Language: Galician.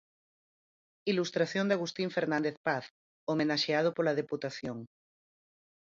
Ilustración de Agustín Fernández Paz, homenaxeado pola Deputación.